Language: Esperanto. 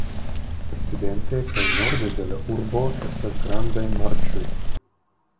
Okcidente kaj norde de la urbo estas grandaj marĉoj.